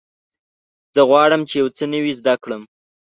زه غواړم چې یو څه نوی زده کړم.